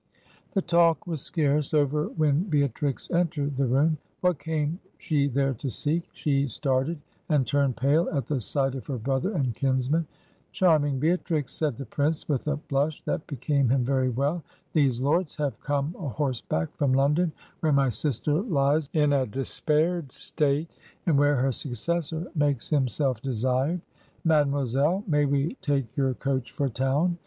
"The talk was scarce over when Beatrix entered the room. What came she there to seek? She started and turned pale at the sight of her brother and kinsman. ... 'Charming Beatrix,' said the prince with a blush that became him very well, 'these lords have come a horseback from London, where my sister lies in a despaired state, and where her successor makes 199 Digitized by VjOOQIC HEROINES OF FICTION himself desired. ... Mademoiselle, may we take your coach for town?'